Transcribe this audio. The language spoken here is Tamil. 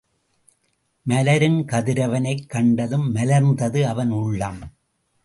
மலரும் கதிரவனைக் கண்டதும் மலர்ந்தது அவன் உள்ளம்.